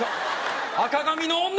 赤髪の女！